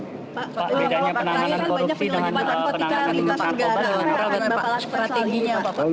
bagaimana strateginya pak herwi